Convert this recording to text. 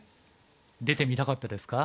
出てみたかったですか？